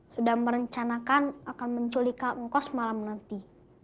sudah merencanakan akan menculikkan engkau semalam nanti